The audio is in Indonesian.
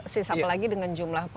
siapa lagi dengan jumlah perawat